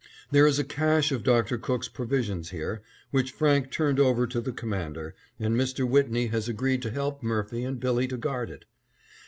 There is a cache of Dr. Cook's provisions here, which Franke turned over to the Commander, and Mr. Whitney has agreed to help Murphy and Billy to guard it.